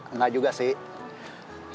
enggak juga sih